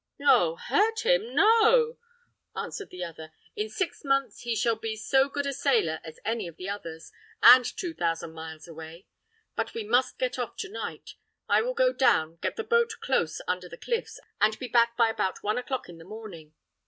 "Oh! hurt him! no!" answered the other. "In six months he shall be so good a sailor as any of the others, and two thousand miles away. But we must get off to night. I will go down, get the boat close under the cliffs, and be back by about one o'clock in the morning.